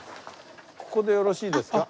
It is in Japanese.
ここでよろしいですか？